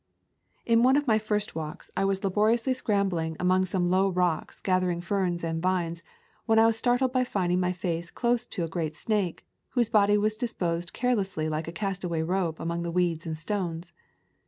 In one of my first walks I was laboriously [ 160 ] A Sojourn in Cuba scrambling among some low rocks gathering ferns and vines, when I was startled by finding my face close to a great snake, whose body was disposed carelessly like a castaway rope among the weeds and stones.